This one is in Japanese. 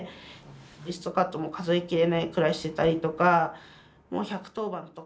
リストカットも数え切れないくらいしてたりとかもう１１０番とかも。